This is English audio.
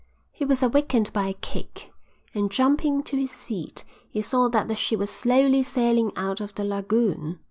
He was awakened by a kick; and, jumping to his feet, he saw that the ship was slowly sailing out of the lagoon.